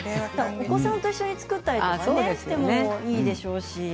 お子さんと一緒に作ってもいいでしょうし。